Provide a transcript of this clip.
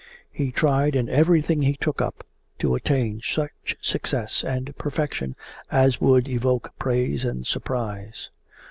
He tried in everything he took up to attain such success and perfection as would evoke praise and surprise.